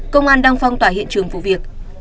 công an đang phong tỏa hiện trường vụ việc